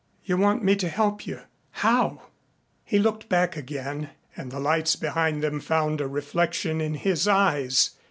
"You want me to help you? How?" He looked back again and the lights behind them found a reflection in his eyes.